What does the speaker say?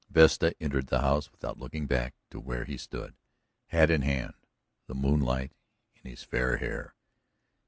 Vesta entered the house without looking back to where he stood, hat in hand, the moonlight in his fair hair.